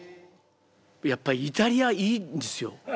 やっぱイタリアいいんですよ。